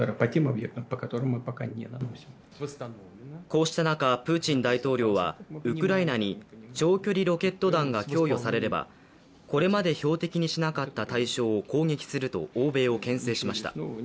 こうした中、プーチン大統領はウクライナに長距離ロケット弾が供与されれば、これまで標的にしなかった対象を攻撃すると欧米を牽制しました。